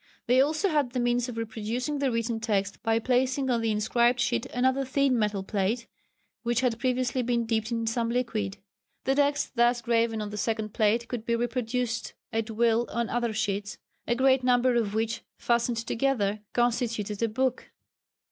They also had the means of reproducing the written text by placing on the inscribed sheet another thin metal plate which had previously been dipped in some liquid. The text thus graven on the second plate could be reproduced at will on other sheets, a great number of which fastened together constituted a book.